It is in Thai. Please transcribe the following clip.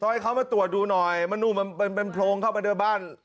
ช่วยเค้ามาตรวจดูหน่อยมันนุมแบ่งโผล่งเข้าไปเลือดบ้าน